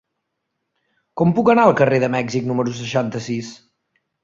Com puc anar al carrer de Mèxic número seixanta-sis?